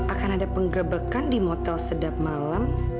akan ada penggebekan di motel sedap malam